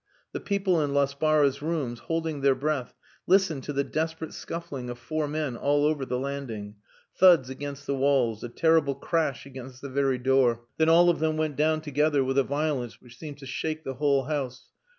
The people in Laspara's rooms, holding their breath, listened to the desperate scuffling of four men all over the landing; thuds against the walls, a terrible crash against the very door, then all of them went down together with a violence which seemed to shake the whole house.